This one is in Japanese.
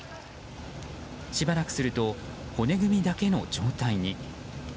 しばらくすると骨組みだけの状態に。